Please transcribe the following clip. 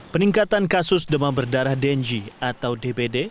peningkatan kasus demam berdarah denji atau dpd